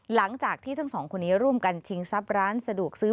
หลังจากที่ทั้งสองคนนี้ร่วมกันชิงทรัพย์ร้านสะดวกซื้อ